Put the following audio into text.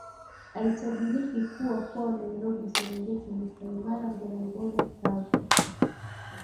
Aitabiliki kuwa kwao Nairobi Serengeti Masai Mara Ngorongoro Tsavo